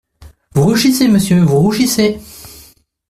Vous rougissez, monsieur, vous rougissez!